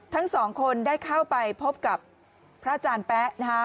ทั้งสองคนได้เข้าไปพบกับพระอาจารย์แป๊ะนะคะ